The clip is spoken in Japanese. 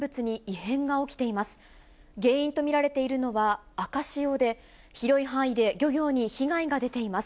原因と見られているのは赤潮で、広い範囲で漁業に被害が出ています。